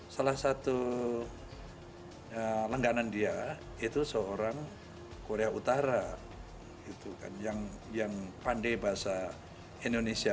salah satu langganan dia itu seorang korea utara yang pandai bahasa indonesia